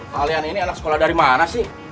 kalian ini anak sekolah dari mana sih